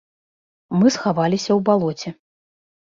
Мы схаваліся ў балоце.